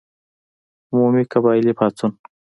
عمومي قبایلي پاڅون.